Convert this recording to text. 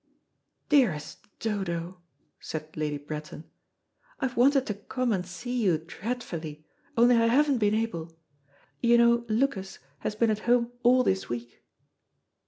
"Dearest Dodo," said Lady Bretton, "I have wanted to come and see you dreadfully, only I haven't been able. You know Lucas has been at home all this week."